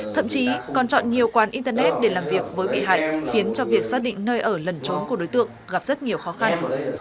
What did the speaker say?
thậm chí còn chọn nhiều quán internet để làm việc với bị hại khiến cho việc xác định nơi ở lần trốn của đối tượng gặp rất nhiều khó khăn